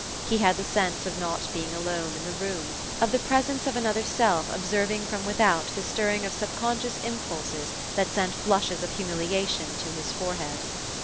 He had the sense of not being alone in the room, of the presence of another self observing from without the stirring of subconscious impulses that sent flushes of humiliation to his forehead.